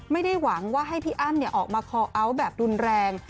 ไม่ได้หวังว่าให้พี่อ้ำออกมาคอลเอาท์แบบรุนแรง